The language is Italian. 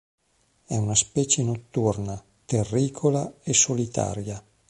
È una specie notturna, terricola e solitaria.